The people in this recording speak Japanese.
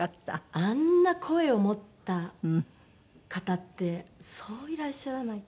あんな声を持った方ってそういらっしゃらないと。